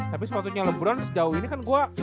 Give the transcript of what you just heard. tapi sepatunya lebron sejauh ini kan gua